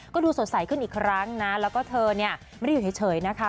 ก็ดูสดใสขึ้นอีกครั้งนะแล้วก็เธอเนี่ยไม่ได้อยู่เฉยนะคะ